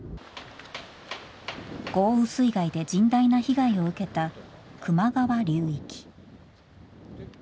豪雨水害で甚大な被害を受けた球磨川流域。